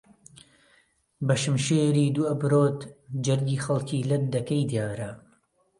بەشمشیری دوو ئەبرۆت جەرگی خەڵکی لەت دەکەی دیارە